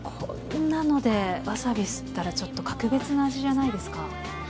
こんなのでワサビすったらちょっと格別な味じゃないですか。